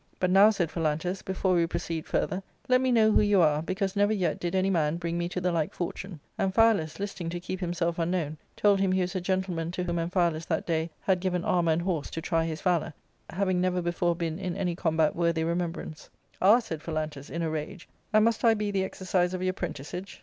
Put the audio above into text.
But now," said Phalantus, " before we proceed further, let me know who you are, because never yet did any man bring me to the like fortune." Amphialus, listing to keep himself un known, told him he was a gentleman to whom Amphialus that day had given armour and horse to try his valour, having never before been in any combat worthy remembrance* " Ah," said Phalantus, in a rage, " and must I be the exercise of your prentisage?"